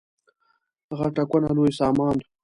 غټه کونه لوی سامان.